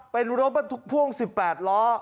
เป็นรถบรรทุกพ่วง๑๘ล้อ